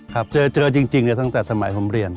ครับเจอจริงตั้งแต่สมัยผมเรียน